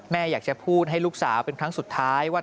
แม่อยากจะพูดให้ลูกสาวเป็นครั้งสุดท้ายว่า